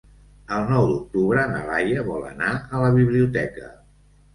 El nou d'octubre na Laia vol anar a la biblioteca.